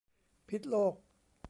พิดโลก